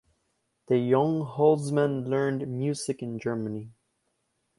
The young Holzmann learned music in Germany.